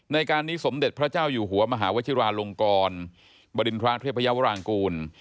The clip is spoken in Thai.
ในการนี้สมเด็จพระเจ้าอยู่หัวมหาวชิราลงกรบริณฑระเทพยาวรางกูล